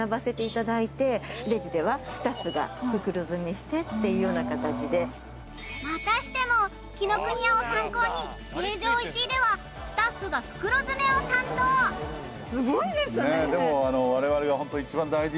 してっていうような形でまたしても紀ノ国屋を参考に成城石井ではスタッフが袋詰めを担当すごいですねねえ